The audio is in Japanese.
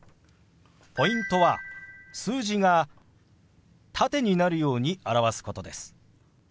ポイントは数字が縦になるように表すことです。